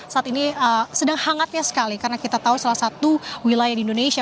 saat ini sedang hangatnya sekali karena kita tahu salah satu wilayah di indonesia